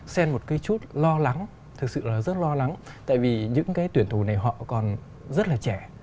xem một cái chút lo lắng thực sự là rất lo lắng tại vì những cái tuyển thù này họ còn rất là trẻ